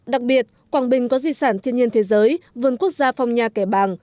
đặc biệt quảng bình có di sản thiên nhiên thế giới vườn quốc gia phong nha kẻ bàng